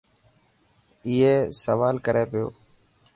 اي سوال ڪري پيو.